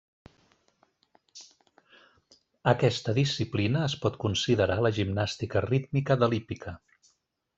Aquesta disciplina es pot considerar la gimnàstica rítmica de l'hípica.